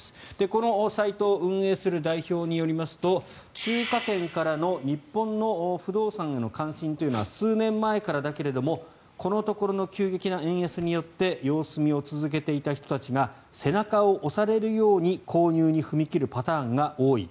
このサイトを運営する代表によりますと中華圏からの日本の不動産への関心というのは数年前からだけどもこのところの急激な円安によって様子見を続けていた人たちが背中を押されるように購入に踏み切るパターンが多い。